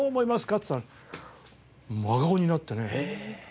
って言ったら真顔になってね。